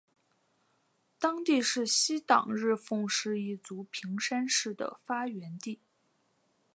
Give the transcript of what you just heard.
当地是西党日奉氏一族平山氏的发源地。